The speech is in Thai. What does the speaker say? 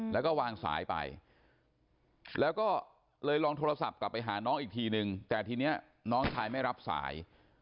แล้วก็วางสายไปแล้วก็เลยลองโทรศัพท์กลับไปหาน้องอีกทีนึงแต่ทีนี้น้องชายไม่รับสาย